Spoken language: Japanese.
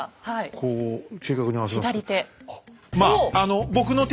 こう正確に合わせます。